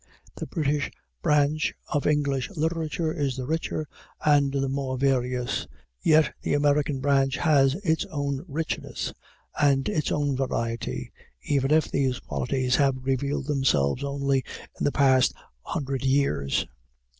The British branch of English literature is the richer and the more various; yet the American branch has its own richness and its own variety, even if these qualities have revealed themselves only in the past hundred years.